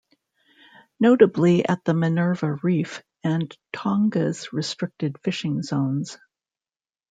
Notably at the Minerva Reef and Tonga's restricted fishing zones.